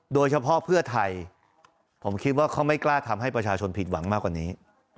โดยเฉพาะเพื่อไทยผมคิดว่าเขาไม่กล้าทำให้ประชาชนผิดหวังมากกว่านี้